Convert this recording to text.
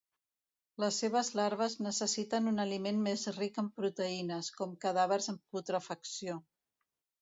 Les seves larves necessiten un aliment més ric en proteïnes, com cadàvers en putrefacció.